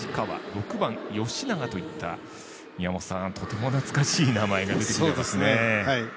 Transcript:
６番、吉永といったとても懐かしい名前が出てきてますね。